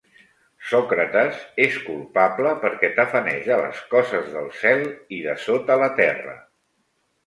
Sòcrates és culpable perqué tafaneja les coses del cel i de sota la terra.